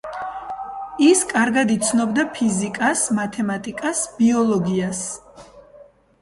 ის კარგად იცნობდა ფიზიკას, მათემატიკას, ბიოლოგიას.